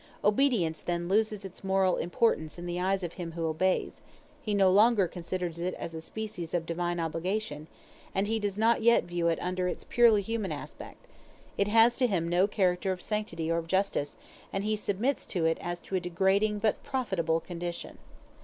Obedience then loses its moral importance in the eyes of him who obeys; he no longer considers it as a species of divine obligation, and he does not yet view it under its purely human aspect; it has to him no character of sanctity or of justice, and he submits to it as to a degrading but profitable condition.